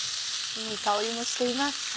いい香りもしています。